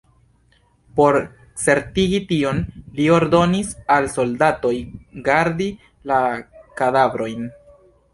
Por certigi tion, li ordonis al soldatoj gardi la kadavrojn.